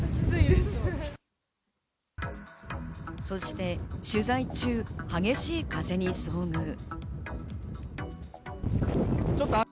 そして取材中、激しい風に遭遇。